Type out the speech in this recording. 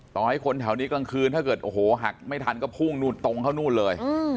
ต่อให้คนแถวนี้กลางคืนถ้าเกิดโอ้โหหักไม่ทันก็พุ่งนู่นตรงเข้านู่นเลย